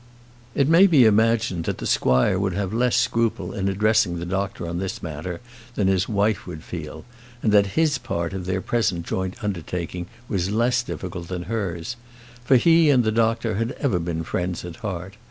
It may be imagined that the squire would have less scruple in addressing the doctor on this matter than his wife would feel; and that his part of their present joint undertaking was less difficult than hers. For he and the doctor had ever been friends at heart.